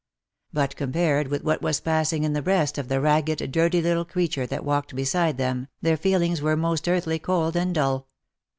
But compared with what was passing in the breast of the ragged, dirty little creature that walked beside them, their feelings were most earthly cold and dull.